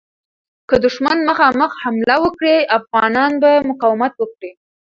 که دښمن مخامخ حمله وکړي، افغانان به مقاومت وکړي.